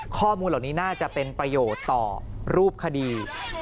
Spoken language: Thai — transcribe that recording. ข้อมูลเหล่านี้น่าจะเป็นประโยชน์ต่อรูปคดี